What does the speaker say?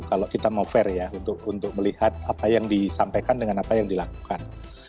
kalau kita mau fair ya untuk melihat apa yang disampaikan dengan apa yang dilakukan